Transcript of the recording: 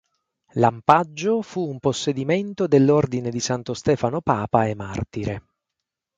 Lampaggio fu un possedimento dell'Ordine di Santo Stefano papa e martire.